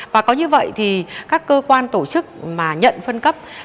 và có như vậy thì các cơ quan tổ chức mà nhận phân cấp